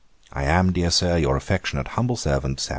'I am, dear Sir, 'Your affectionate humble servant, 'SAM.